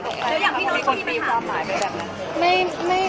แล้วอย่างพี่น้องที่มีปัญหาอะไร